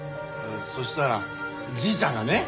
そしたらじいちゃんがね。